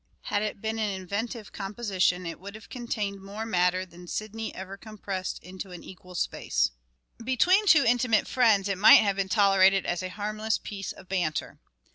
Had it been an inventive composition it would have contained more matter than Sidney ever compressed into an equal space. Between two intimate friends it might have been tolerated as a harmless piece of banter.